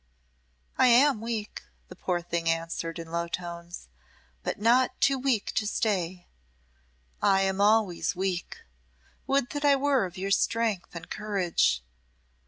"I am weak," the poor thing answered, in low tones "but not too weak to stay. I am always weak. Would that I were of your strength and courage.